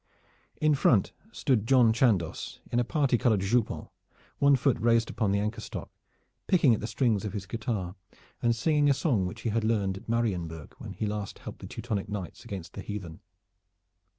In front stood John Chandos in a party colored jupon, one foot raised upon the anchor stock, picking at the strings of his guitar and singing a song which he had learned at Marienburg when last he helped the Teutonic knights against the heathen.